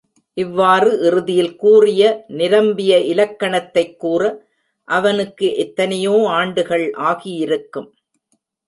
இவ்வாறு இறுதியில் கூறிய நிரம்பிய இலக்கணத்தைக் கூற, அவனுக்கு எத்தனையோ ஆண்டுகள் ஆகியிருக்கும்.